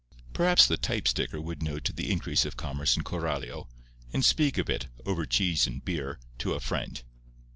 Perhaps the typesticker would note the increase of commerce in Coralio, and speak of it, over the cheese and beer, to a friend.